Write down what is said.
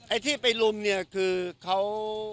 ไอ้ที่ไปลุมเนี่ยคือเขา